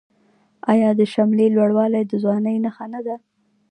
آیا د شملې لوړوالی د ځوانۍ نښه نه ده؟